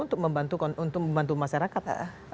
untuk membantu masyarakat